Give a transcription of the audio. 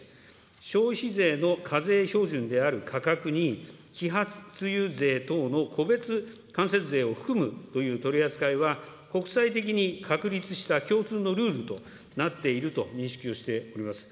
消費税の課税標準である価格に揮発油税等の個別間接税を含むという取り扱いは、国際的に確立した共通のルールとなっていると認識をしております。